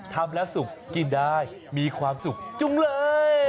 ทำแล้วสุกกินได้มีความสุขจุงเลย